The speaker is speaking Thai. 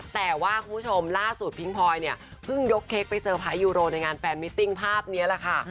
แต่ว่าคุณผู้ชมล่าสุดพิงพลอยเนี่ยเพิ่งยกเค้กไปเซอร์ไพรสยูโรในงานแฟนมิติ้งภาพนี้แหละค่ะ